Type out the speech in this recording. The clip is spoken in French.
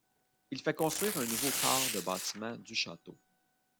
Il fait construire un nouveau corps de bâtiment du château.